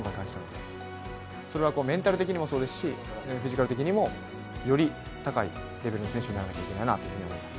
それはメンタル的にもそうですしフィジカル的にもより高いレベルの選手にならなければいけないと思います。